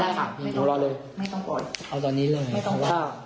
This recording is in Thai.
เดี๋ยวเอาไว้ตรับแคล้ก่อนรับก้น